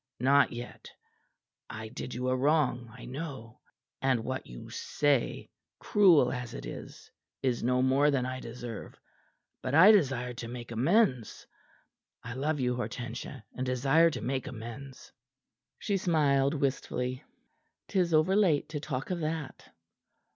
"Not yet. I did you a wrong, I know. And what you say cruel as it is is no more than I deserve. But I desire to make amends. I love you, Hortensia, and desire to make amends." She smiled wistfully. "'Tis overlate to talk of that."